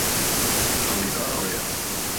Али како је?